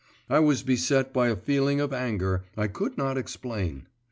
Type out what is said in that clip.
I was beset by a feeling of anger I could not explain.